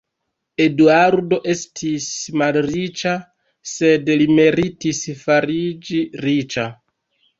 Eduardo estis malriĉa; sed li meritis fariĝi riĉa.